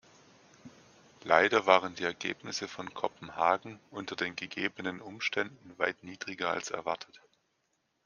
Leider waren die Ergebnisse von Kopenhagen unter den gegebenen Umständen weit niedriger als erwartet.